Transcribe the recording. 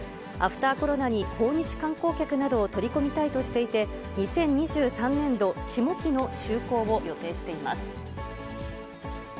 アフターコロナに、訪日観光客などを取り込みたいとしていて、２０２３年度下期の就航を予定しています。